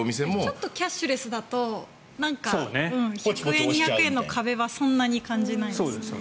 ちょっとキャッシュレスだと１００円、２００円の壁はそんなに感じないですね。